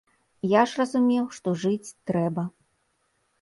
Я ж разумеў, што жыць трэба.